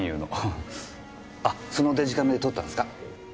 あそのデジカメで撮ったんですか？